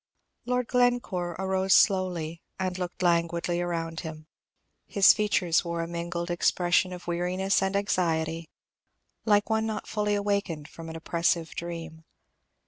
Lord Glencore arose slowly, and looked languidly around him; his features wore a mingled expression of weariness and anxiety, like one not fully awakened from an oppressive dream.